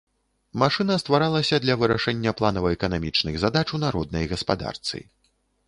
Машына стваралася для вырашэння планава-эканамічных задач у народнай гаспадарцы.